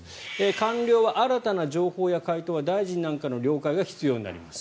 官僚は新たな情報や回答は大臣なんかの了解が必要になります。